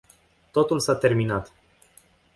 Totul s-a terminat.